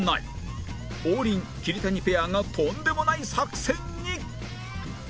王林・桐谷ペアがとんでもない作戦に！